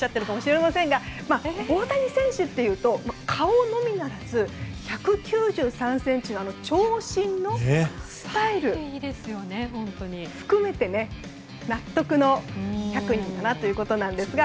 大谷選手というと顔のみならず１９３ｃｍの長身のスタイル含めて納得の１００人だなということですが。